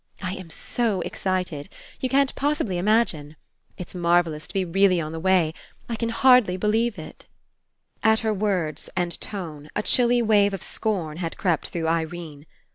I am so excited. You can't possibly imagine ! It's marvellous to be really on the way! I can hardly believe it!" ^3S PASSING At her words and tone a chilly wave of scorn had crept through Irene.